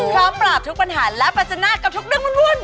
ท้อมปรับทุกปัญหาและมาจนาจกับทุกเรื่องร่วม